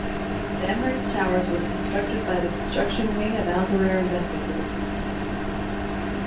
The Emirates Towers was constructed by the construction wing of Al Ghurair Investment group.